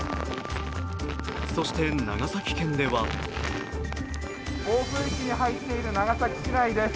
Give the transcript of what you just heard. そして長崎県では暴風域に入っている長崎市内です。